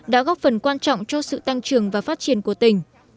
đã góp phần quan trọng cho sự tăng trưởng và phát triển của tỉnh